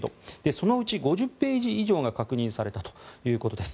そのうち５０ページ以上が確認されたということです。